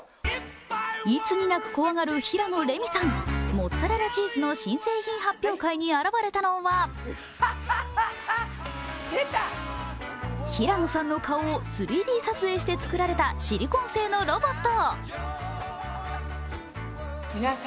モッツァレラチーズの新製品発表会に現れたのは平野さんの顔を３Ｄ撮影して作られたシリコン製のロボット。